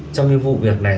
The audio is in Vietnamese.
trong cái vụ việc này